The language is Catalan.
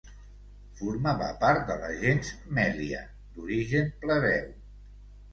Formava part de la gens Mèlia, d'origen plebeu.